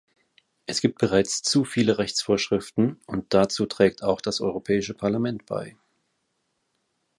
Es gibt bereits zu viele Rechtsvorschriften, und dazu trägt auch das Europäische Parlament bei.